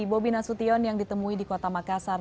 bobi nasution yang ditemui di kota makassar